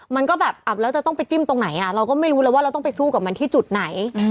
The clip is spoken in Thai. มันก็แบบอับแล้วจะต้องไปจิ้มตรงไหนเราก็ไม่รู้แล้วว่าเราต้องไปสู้กับมันที่จุดไหน